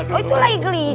oh itu lagi gelisah